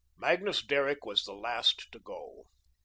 Magnus Derrick was the last to go.